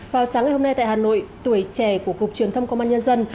vào sáng ngày hôm nay tại hà nội tuổi trẻ của cục truyền thông công an nhân dân